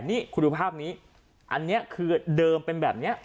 นี่คุณดูภาพนี้อันนี้คือเดิมเป็นแบบนี้